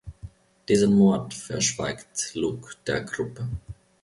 Diesen Mord verschweigt Luke der Gruppe.